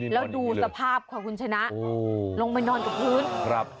แล้วดูสภาพค่ะคุณชนะลงไปนอนกับพื้นครับ